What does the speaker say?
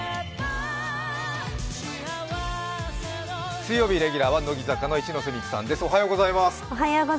水曜日レギュラーは乃木坂の一ノ瀬美空さんです。